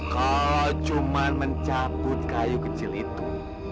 kau cuma mencabut kayu kecil itu